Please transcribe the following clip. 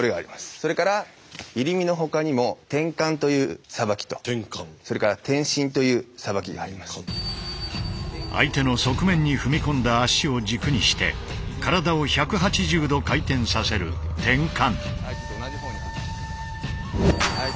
それから入身のほかにも相手の側面に踏み込んだ足を軸にして体を１８０度回転させる「転換」。